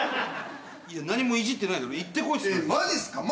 いや何もいじってないだろ行ってこいっつって。